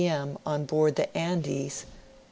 m., on board the "Andes," 29.